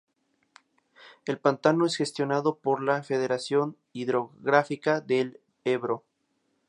El pantano es gestionado por la Confederación Hidrográfica del Ebro.